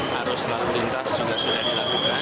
harus lalu lintas juga sudah dilakukan